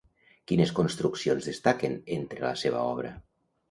Quines construccions destaquen entre la seva obra?